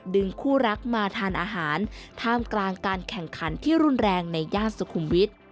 ดังการแข่งขันที่รุนแรงในย่านสุขุมวิทย์